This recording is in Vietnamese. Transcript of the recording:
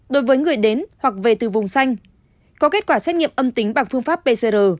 đối với người đến hoặc về từ vùng xanh có kết quả xét nghiệm âm tính bằng phương pháp pcr